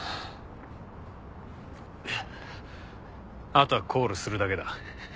あとはコールするだけだ。